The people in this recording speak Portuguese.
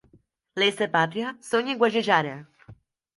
Lesa-pátria, Sônia Guajajara